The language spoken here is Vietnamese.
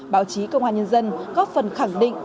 báo chí công an nhân dân góp phần khẳng định